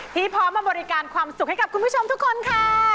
พร้อมมาบริการความสุขให้กับคุณผู้ชมทุกคนค่ะ